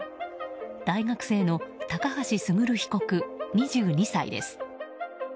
大学生の高橋選被告、２２歳です。